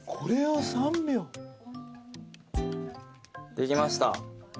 できました。